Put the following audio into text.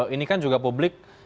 ini kan juga publik